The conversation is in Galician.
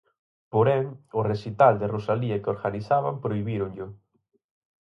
Porén, o recital de Rosalía que organizaban prohibíronllo.